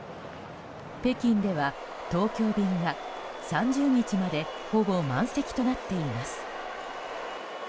北京では東京便が３０日までほぼ満席となっています。